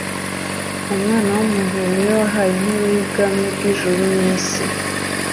"Umwana w'umuntu ni we wahawe intebe y'ubwami bw'ijuru n'isi.